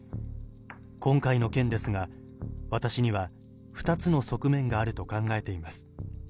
今回の件ですが、私には２つの側面があると考えています。